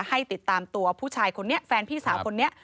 ให้ติดตามตัวผู้ชายคนนี้แฟนพี่สาวคนนี้